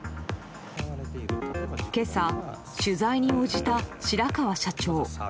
今朝、取材に応じた白川社長。